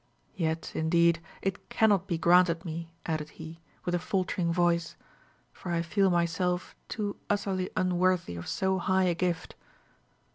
Yet, indeed, it cannot be granted me," added he, with a faltering voice; "for I feel myself too utterly unworthy of so high a gift."